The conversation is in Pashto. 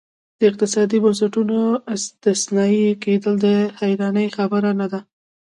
د اقتصادي بنسټونو استثنایي کېدل د حیرانۍ خبره نه وه.